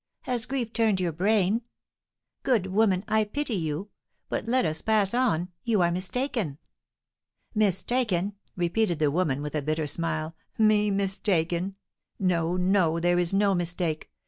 Has grief turned your brain? Good woman, I pity you! But let us pass on; you are mistaken." "Mistaken!" repeated the woman, with a bitter smile. "Me mistaken! No, no, there is no mistake!